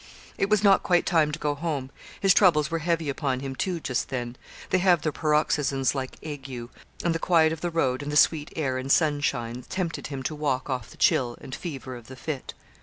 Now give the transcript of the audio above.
It was not quite time to go home; his troubles were heavy upon him, too, just then; they have their paroxysms like ague; and the quiet of the road, and the sweet air and sunshine, tempted him to walk off the chill and fever of the fit.